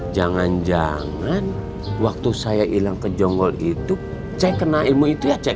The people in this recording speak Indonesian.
jangan jangan waktu saya hilang ke jonggol itu saya kena ilmu itu ya cek